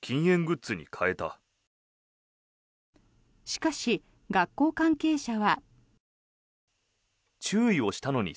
しかし、学校関係者は。